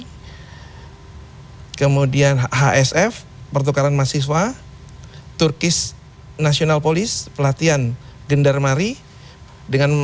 hai kemudian hsf pertukaran mahasiswa turkis national police pelatihan gendarmeri dengan